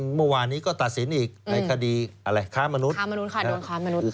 เมื่อวานนี้ก็ตัดสินอีกในคดีอะไรค้ามนุษยค้ามนุษย์ค่ะโดนค้ามนุษย์